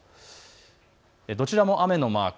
どちらも雨のマーク。